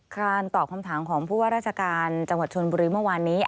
การตอบคำถามของผู้ว่าราชการจังหวัดชนบุรีเมื่อวานนี้